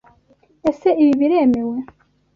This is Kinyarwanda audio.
Ese ibi biremewe?